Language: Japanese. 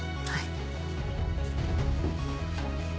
はい。